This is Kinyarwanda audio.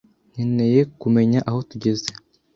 nkeneye kumenya aho tugeze.